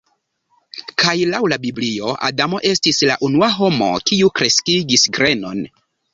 Kaj laŭ la Biblio Adamo estis la unua homo kiu kreskigis grenon.